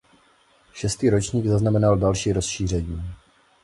Šestý ročník znamenal další rozšíření.